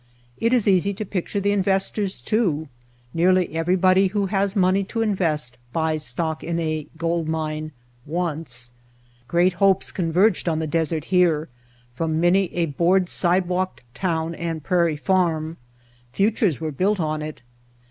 It is easy to picture the investors too. Nearly everybody who has money to invest buys stock in a gold mine once. Great hopes con verged on the desert here from many a board sidewalked town and prairie farm; futures were built on it.